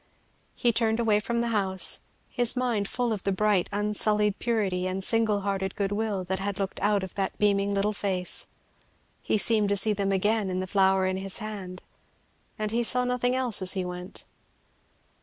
He turned away from the house, his mind full of the bright unsullied purity and single hearted good will that had looked out of that beaming little face; he seemed to see them again in the flower held in his hand, and he saw nothing else as he went.